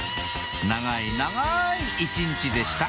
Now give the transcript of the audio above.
長い長い一日でした